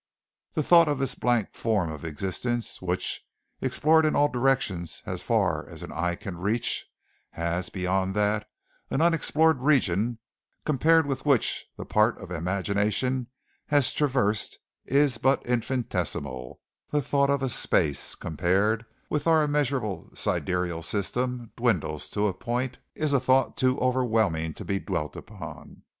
The thought of this blank form of existence which, explored in all directions as far as eye can reach, has, beyond that, an unexplored region compared with which the part imagination has traversed is but infinitesimal the thought of a space, compared with which our immeasurable sidereal system dwindles to a point, is a thought too overwhelming to be dwelt upon.